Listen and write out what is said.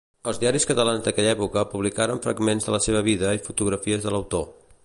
Els diaris catalans d'aquella època publicaren fragments de la seva vida i fotografies de l'autor.